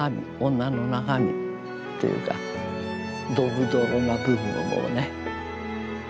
女の中身というかどろどろな部分をね。